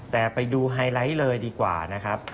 แต่ไปดูไฮไลท์เลยดีกว่านะครับ